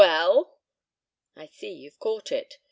"Well?" "I see you've caught it.